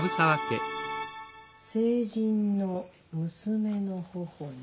「成人の娘の頬に」。